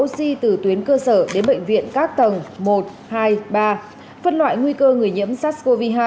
cơ sở đến bệnh viện các tầng một hai ba phân loại nguy cơ người nhiễm sars cov hai